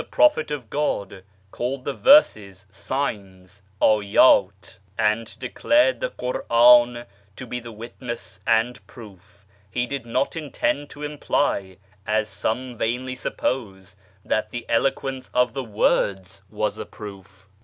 'rophet of God called his verses " signs " {aydt), and declared he Kur'an to be his witness and proof, he did not intend 0 imply, as some vainly suppose, that the eloquence of the /ords was a proof.